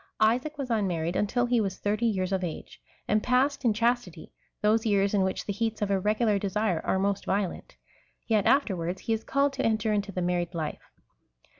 Isaac was unmarried until he was thirty years of age, and passed in chastity those years in which the heats of irregular desire are most violent ; yet afterwards he is called to enter into the married life.